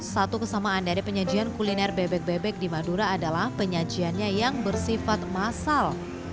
satu kesamaan dari penyajian kuliner bebek bebek di madura adalah penyajiannya yang bersifat masal